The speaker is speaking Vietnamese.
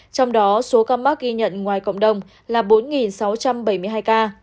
trong đó số ca mắc ghi nhận ngoài cộng đồng là bốn sáu trăm bảy mươi hai ca